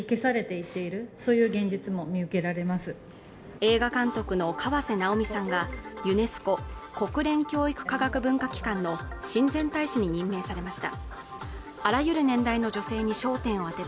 映画監督の河瀬直美さんがユネスコ＝国連教育科学文化機関の親善大使に任命されました